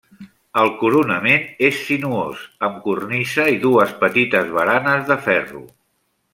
El coronament és sinuós, amb cornisa i dues petites baranes de ferro.